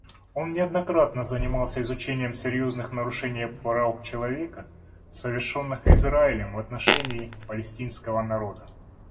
Он неоднократно занимался изучением серьезных нарушений прав человека, совершенных Израилем в отношении палестинского народа.